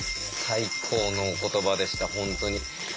最高のお言葉でした本当に。